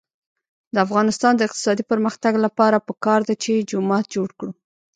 د افغانستان د اقتصادي پرمختګ لپاره پکار ده چې جومات جوړ کړو.